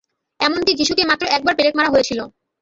এমনকি যীশুকে মাত্র একবার পেরেক মারা হয়েছিল।